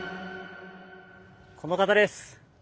この方です。